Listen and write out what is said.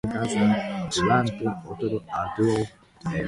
Th is reservoir is crossed to the South by the Manicouagan River.